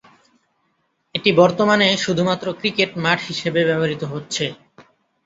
এটি বর্তমানে শুধুমাত্র ক্রিকেট মাঠ হিসেবে ব্যবহৃত হচ্ছে।